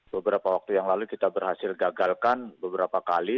beberapa waktu yang lalu kita berhasil gagalkan beberapa kali